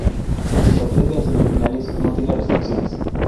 El sorteo de las semifinales no tiene restricciones.